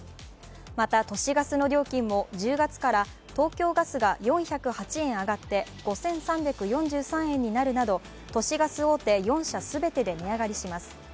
また、都市ガスの料金も１０月から東京ガスが４０８円上がって５３４３円になるなど、都市ガス大手４社全てで値上がりします。